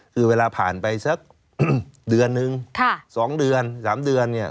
คือเวลาผ่านไปสักเดือนนึง๒เดือน๓เดือนเนี่ย